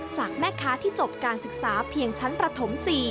จากแม่ค้าที่จบการศึกษาเพียงชั้นประถม๔